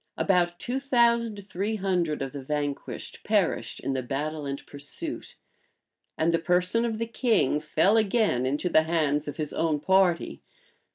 About two thousand three hundred of the vanquished perished in the battle and pursuit; and the person of the king fell again into the hands of his own party.